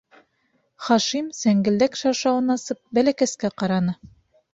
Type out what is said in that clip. Хашим, сәңгелдәк шаршауын асып, бәләкәскә ҡараны: